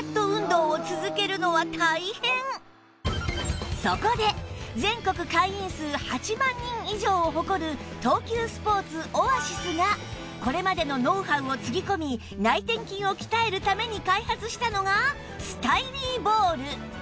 でもそこで全国会員数８万人以上を誇る東急スポーツオアシスがこれまでのノウハウをつぎ込み内転筋を鍛えるために開発したのがスタイリーボール